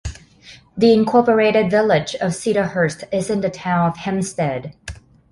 The Incorporated Village of Cedarhurst is in the town of Hempstead.